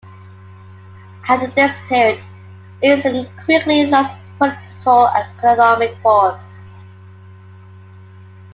After this period, Isin quickly lost political and economic force.